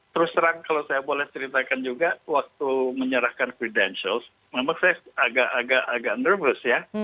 terus terang kalau saya boleh ceritakan juga waktu menyerahkan credentials memang saya agak agak nervous ya